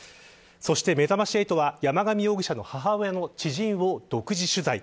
そして、めざまし８は山上容疑者の知人を独自取材。